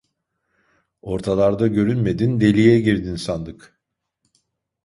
Ortalarda görünmedin, deliğe girdin sandık…